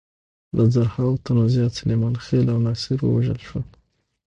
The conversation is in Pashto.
له زرهاوو تنو زیات سلیمان خېل او ناصر ووژل شول.